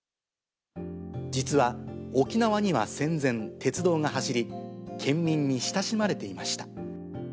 実は沖縄には戦前、鉄道が走り、県民に親しまれていました。